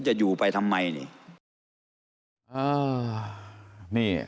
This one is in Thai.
จะอยู่ไปทำไมนี่